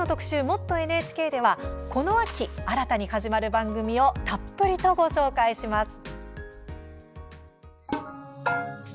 「もっとＮＨＫ」ではこの秋、新たに始まる番組をたっぷりとご紹介します。